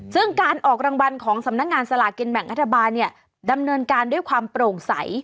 ซึ่งการออกรางวัลของสำนักงานสลากินแบ่งรัฐบาลเนี่ยดำเนินการด้วยความโปร่งใส